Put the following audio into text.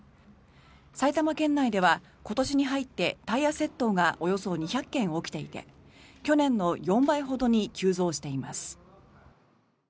埼玉県内では今年に入ってタイヤ窃盗がおよそ２００件起きていて去年の４倍ほどに急増しています。